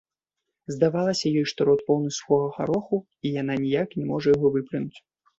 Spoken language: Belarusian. Здавалася ёй, што рот поўны сухога гароху, і яна ніяк не можа яго выплюнуць.